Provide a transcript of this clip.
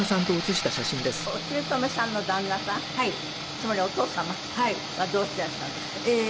つまりお義父様はどうしていらっしゃるんですか？